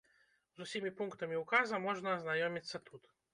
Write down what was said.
З усімі пунктамі ўказа можна азнаёміцца тут.